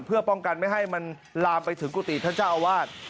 เพื่อป้องกันไม่ให้มันลามไปถึงกุฏิท่านเจ้าอาวาส